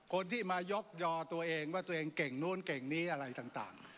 คนที่มายกยอตัวเองว่าตัวเองเก่งนู้นเก่งนี้อะไรต่าง